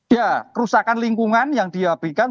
ya kerusakan lingkungan yang diapikan